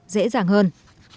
dễ dàng hơn